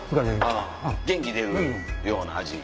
あぁ元気出るような味。